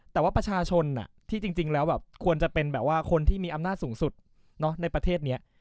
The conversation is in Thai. แต่ว่าประชาชนที่จริงแล้วแบบควรจะเป็นแบบว่าคนที่มีอำนาจสูงสุดในประเทศนี้